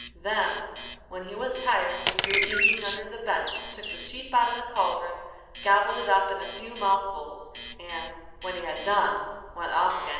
Then, when he was tired, he threw Evening under the bench, took the sheep out of the cauldron, gobbled it up in a few mouthfuls, and, when he had done, went off again into the forest.